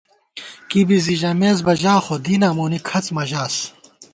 کِبی زی ژَمېس بہ ژا خو دیناں مونی کھڅ مہ ژاس